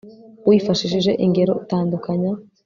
wifashishije ingero, tandukanya